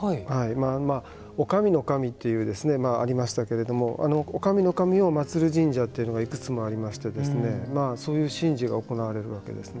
おかみのかみというありましたけれどもおかみの神を祭る神社というのがいくつもありましてそういう神事が行われるわけですね。